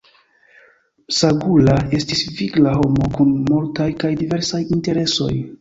Msagula estis vigla homo kun multaj kaj diversaj interesoj.